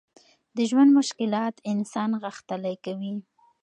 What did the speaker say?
د ژوند مشکلات انسان غښتلی کوي.